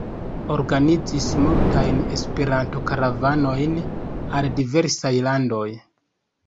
Organizis multajn Esperanto-karavanojn al diversaj landoj.